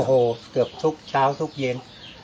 โอ้โหเกือบทุกเช้าทุกเย็น